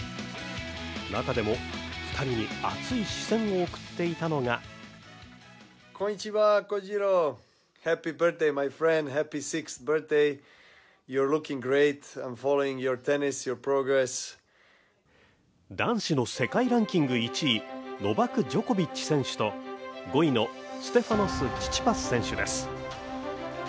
中でも２人に熱い視線を送っていたのは男子の世界ランキング１位、ノバク・ジョコビッチ選手と５位のステファノス・チチパス選手です。